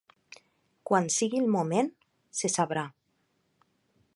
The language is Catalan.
Quan sigui el moment, se sabrà.